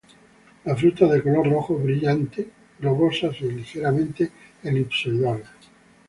Las frutas de color rojo brillante, globosas a ligeramente elipsoidales.